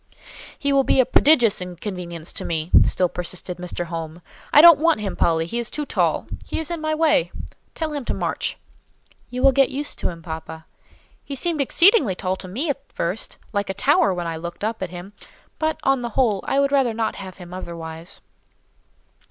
"He will be a prodigious inconvenience to me," still persisted Mr. Home. "I don't want him, Polly, he is too tall; he is in my way. Tell him to march." "You will get used to him, papa. He seemed exceedingly tall to me at first—like a tower when I looked up at him; but, on the whole, I would rather not have him otherwise."